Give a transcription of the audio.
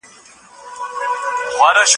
پدې سورت کي د فقهي او سيرت بحث سته.